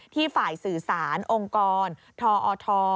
ฝ่ายสื่อสารองค์กรทอท